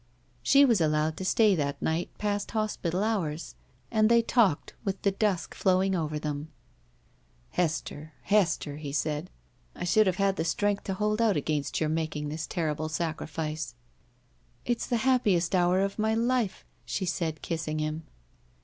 She was allowed to stay that night past hospital hours, and they talked with the dusk flowing over them. "Hester, Hester," he said, "I should have had the strength to hold out against yotu: making this terrible sacrifice." "It's the happiest hour of my life," she said, kissing him.